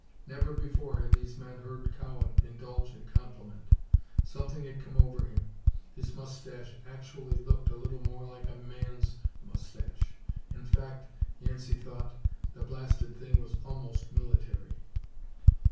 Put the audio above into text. Never before had these men heard Cowan indulge in compliment. Something had come over him. His moustache actually looked a little more like a man's moustache. In fact, Yancey thought, the blasted thing was almost military.